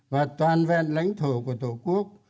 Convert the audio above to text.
và toàn vẹn lãnh thổ của tổ quốc